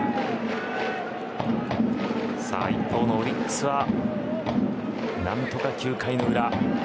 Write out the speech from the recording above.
一方のオリックスは何とか９回の裏。